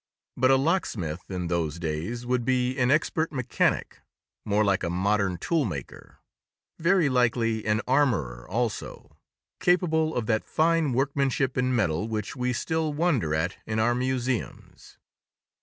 But a locksmith, in those days, would be an expert mechanic—more like a modern toolmaker; very likely an armorer also; capable of that fine workmanship in metal which we still wonder at in our museums.